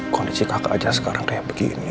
kondisi kakak aja sekarang kayak begini